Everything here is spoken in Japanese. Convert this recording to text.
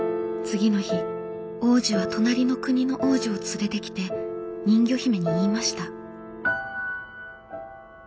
次の日王子は隣の国の王女を連れてきて人魚姫に言いました。